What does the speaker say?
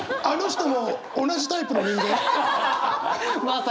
あの人も同じタイプの人間？